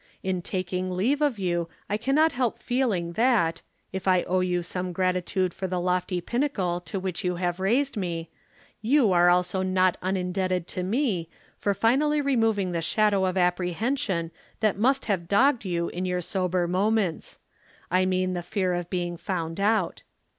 In taking leave of you I cannot help feeling that, if I owe you some gratitude for the lofty pinnacle to which you have raised me, you are also not unindebted to me for finally removing the shadow of apprehension that must have dogged you in your sober moments I mean the fear of being found out.